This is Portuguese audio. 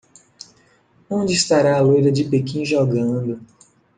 Onde estará a loira de Pequim jogando